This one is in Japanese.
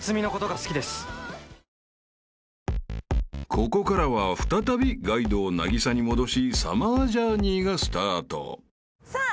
［ここからは再びガイドを凪咲に戻しサマージャーニーがスタート］さあ